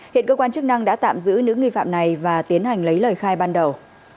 hiện cơ quan chức năng đã tạm giữ những nghi phạm này và tiến hành lấy lời khai ban đầu